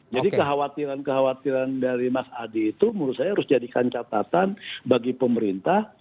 jadi kekhawatiran kekhawatiran dari mas adi itu menurut saya harus jadikan catatan bagi pemerintah